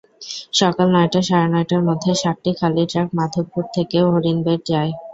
সকাল নয়টা-সাড়ে নয়টার মধ্যে সাতটি খালি ট্রাক মাধবপুর থেকে হরিণবেড় যায়।